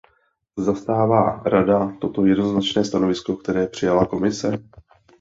Zastává Rada toto jednoznačné stanovisko, které přijala Komise?